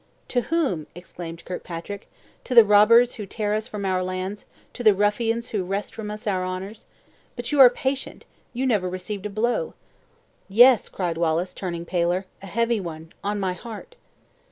"To whom?" exclaimed Kirkpatrick; "to the robbers who tear from us our lands; to the ruffians who wrest from us our honors? But you are patient; you never received a blow!" "Yes," cried Wallace, turning paler; "a heavy one on my heart."